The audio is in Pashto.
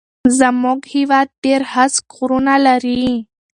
زموږ هيواد ډېر هسک غرونه لري